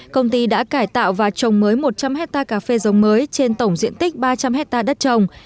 công ty đã cải tạo và trồng mới một trăm linh hectare cà phê rồng mới trên tổng diện tích ba trăm linh hectare đất trồng